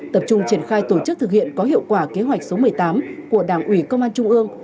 tập trung triển khai tổ chức thực hiện có hiệu quả kế hoạch số một mươi tám của đảng ủy công an trung ương